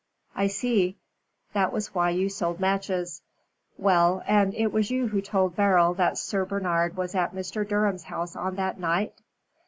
"I see. That was why you sold matches. Well, and it was you who told Beryl that Sir Bernard was at Mr. Durham's house on that night?"